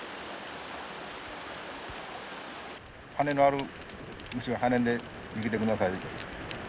羽のある虫は羽で逃げて下さい。